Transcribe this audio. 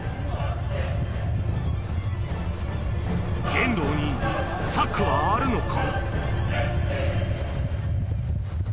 遠藤に策はあるのか？